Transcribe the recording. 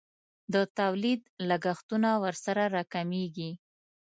د تولید لګښتونه ورسره راکمیږي.